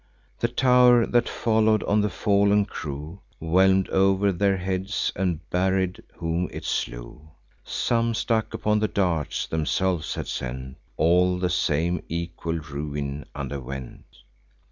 The tow'r, that follow'd on the fallen crew, Whelm'd o'er their heads, and buried whom it slew: Some stuck upon the darts themselves had sent; All the same equal ruin underwent.